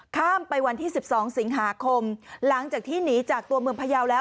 ข้ามไปวันที่๑๒สิงหาคมหลังจากที่หนีจากตัวเมืองพยาวแล้ว